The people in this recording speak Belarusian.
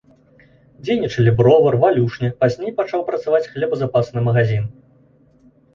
Дзейнічалі бровар, валюшня, пазней пачаў працаваць хлебазапасны магазін.